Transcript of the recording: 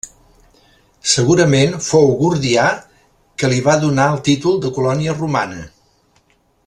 Segurament fou Gordià que li va donar el títol de colònia romana.